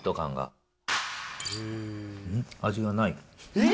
味がない。